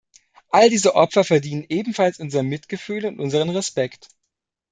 Alle diese Opfer verdienen ebenfalls unser Mitgefühl und unseren Respekt.